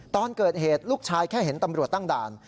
ตอนเกิดเหตุลูกชายแค่เห็นตำรวจตั้งด่าน